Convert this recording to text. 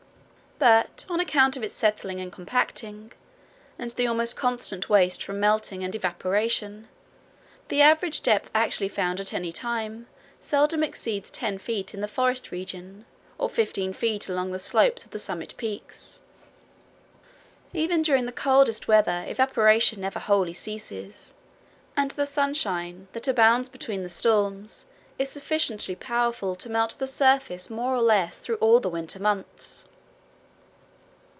But on account of its settling and compacting, and the almost constant waste from melting and evaporation, the average depth actually found at any time seldom exceeds ten feet in the forest region, or fifteen feet along the slopes of the summit peaks. Even during the coldest weather evaporation never wholly ceases, and the sunshine that abounds between the storms is sufficiently powerful to melt the surface more or less through all the winter months.